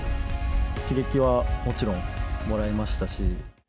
刺激はもちろんもらいましたし。